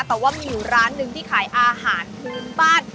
แต่ว่ามีอยู่ร้านหนึ่งที่ขายอาหารพื้นบ้าน